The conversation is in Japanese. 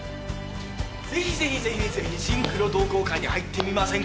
ぜひぜひぜひぜひシンクロ同好会に入ってみませんか？